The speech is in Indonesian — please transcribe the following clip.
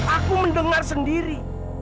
aku mendengar sendiri